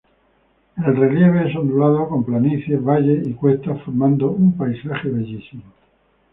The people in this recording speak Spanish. El relieve es ondulado con planicies, valles y cuestas, formando un paisaje bellísimo.